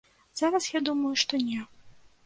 Зараз я думаю, што не.